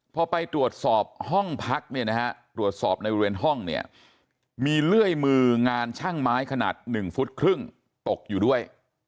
พอไปตรวจสอบห้องพักเนี่ยนะฮะตรวจสอบในบริเวณห้องเนี่ยมีเลื่อยมืองานช่างไม้ขนาด๑ฟุตครึ่งตกอยู่ด้วย